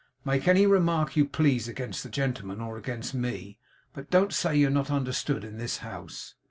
Make any remark you please against the gentlemen, or against me; but don't say you're not understood in this house.